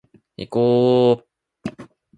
いこーーーーーーぉ